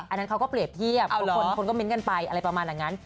อันนั้นเขาก็เปรียบเทียบคนก็เน้นกันไปอะไรประมาณอย่างนั้น